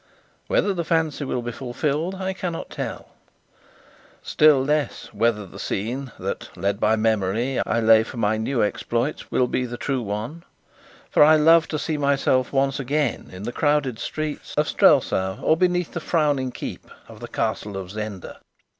Whether the fancy will be fulfilled, I cannot tell still less whether the scene that, led by memory, I lay for my new exploits will be the true one for I love to see myself once again in the crowded streets of Strelsau, or beneath the frowning keep of the Castle of Zenda.